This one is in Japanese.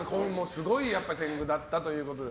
すごい天狗だったということで。